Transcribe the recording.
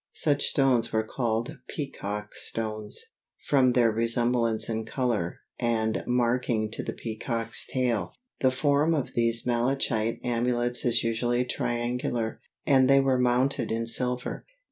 Such stones were called "peacock stones," from their resemblance in color and marking to the peacock's tail. The form of these malachite amulets is usually triangular, and they were mounted in silver.